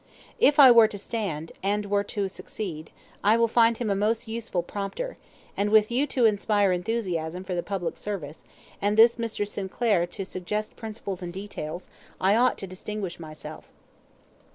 If I were to stand, and were to succeed, I will find him a most useful prompter; and with you to inspire enthusiasm for the public service, and this Mr. Sinclair to suggest principles and details, I ought to distinguish myself."